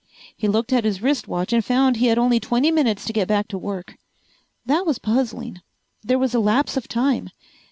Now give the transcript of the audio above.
He looked at his wrist watch and found he had only twenty minutes to get back to work. That was puzzling. There was a lapse of time.